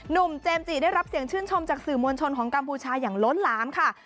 เจมส์จิได้รับเสียงชื่นชมจากสื่อมวลชนของกัมพูชาอย่างล้นหลามค่ะ